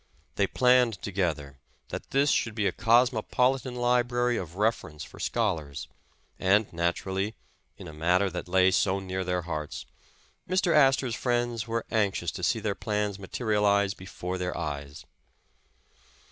They planned together, that this should be a cosmopolitan library of reference for scholars, and naturally, in a matter that lay so near their hearts, Mr. Astor 's friends were anxious to see the plans material* ize before their eyes.